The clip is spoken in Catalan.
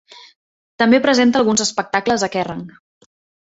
També presenta alguns espectacles a Kerrang!.